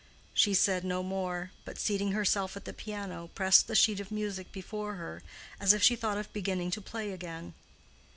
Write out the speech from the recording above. She said no more, but, seating herself at the piano, pressed the sheet of music before her, as if she thought of beginning to play again.